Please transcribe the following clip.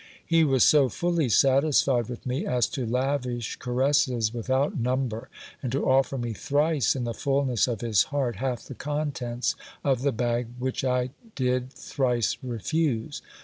He was so fully satisfied with me, as to lavish caresses with out number, and to offer me thrice, in the fulness of his heart, half the contents of the bag, which I did thrice refuse.